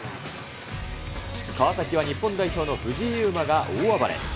川崎は日本代表の藤井ゆうまが大暴れ。